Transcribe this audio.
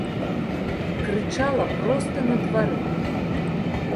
Крычала проста на двары.